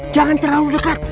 jangan terlalu dekat